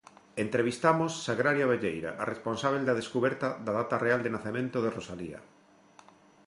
Entrevistamos Sagrario Abelleira, a responsábel da descuberta da data real de nacemento de Rosalía.